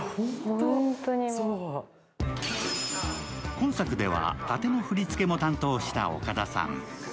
今作では、たての振りつけも担当した岡田さん。